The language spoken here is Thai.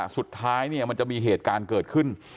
สุดท้ายมันจะมีเหตุการณ์เกิดขึ้น